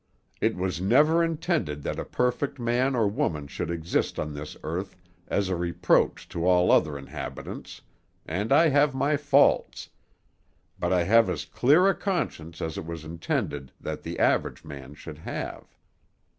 It was never intended that a perfect man or woman should exist on this earth, as a reproach to all the other inhabitants, and I have my faults; but I have as clear a conscience as it was intended that the average man should have."